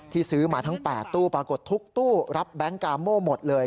ซื้อมาทั้ง๘ตู้ปรากฏทุกตู้รับแบงค์กาโม่หมดเลย